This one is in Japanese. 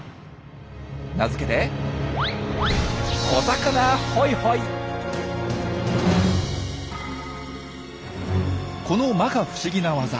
名付けてこのまか不思議なワザ。